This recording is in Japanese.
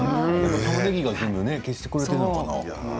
たまねぎが全部、消してくれているのかな。